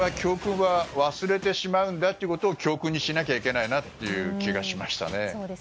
ですから、我々人間は教訓は忘れてしまうんだということを教訓にしなきゃいけないなという気がしましたね。